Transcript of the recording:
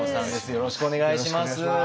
よろしくお願いします。